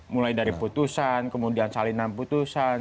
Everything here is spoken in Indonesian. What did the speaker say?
mulai dari putusan kemudian salinan putusan